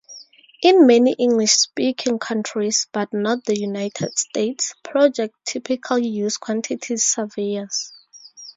In many English-speaking countries, but not the United States, projects typically use quantity surveyors.